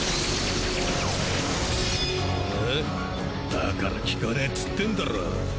だから効かねえっつってんだろ。